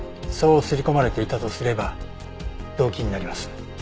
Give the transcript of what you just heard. そう刷り込まれていたとすれば動機になります。